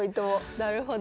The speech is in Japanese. なるほど。